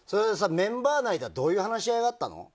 メンバー内でどんな話し合いがあったの？